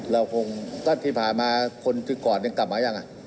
เราคงตั้งแต่ผ่านมาคนที่กอดยังกลับมาหรือยัง